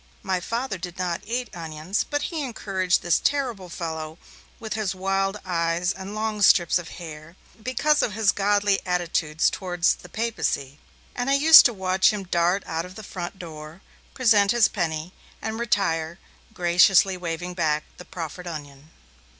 My Father did not eat onions, but he encouraged this terrible fellow, with his wild eyes and long strips of hair, because of his godly attitude towards the 'Papacy', and I used to watch him dart out of the front door, present his penny, and retire, graciously waving back the proffered onion.